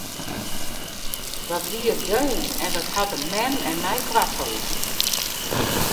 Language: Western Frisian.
Wat wie er deun en wat hat er mem en my koart holden!